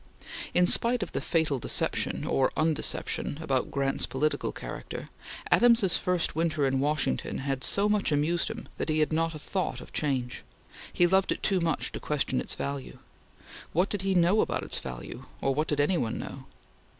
In spite of the fatal deception or undeception about Grant's political character, Adams's first winter in Washington had so much amused him that he had not a thought of change. He loved it too much to question its value. What did he know about its value, or what did any one know?